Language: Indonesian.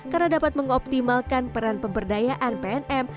karena dapat mengoptimalkan peran pemberdayaan pnm